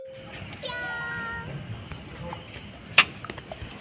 ぴょん。